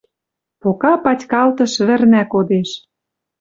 «Пока патькалтыш вӹрнӓ кодеш